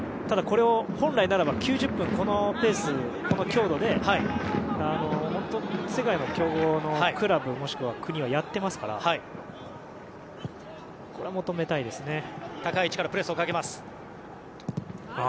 ただ、本来ならば９０分このペース、この強度で本当、世界の強豪のクラブもしくは国はやっていますからこれは求めたいですね。